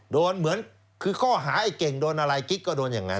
เหมือนคือข้อหาไอ้เก่งโดนอะไรกิ๊กก็โดนอย่างนั้น